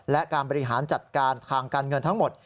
และการบริหารจัดการทางการเงินทั้งหมด